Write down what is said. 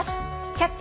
「キャッチ！